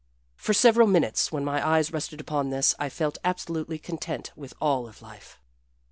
For several minutes when my eyes rested upon this I felt absolutely content with all of life.